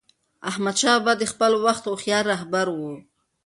احمدشاه بابا د خپل وخت هوښیار رهبر و.